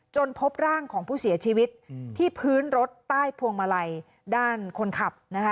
พบร่างของผู้เสียชีวิตที่พื้นรถใต้พวงมาลัยด้านคนขับนะคะ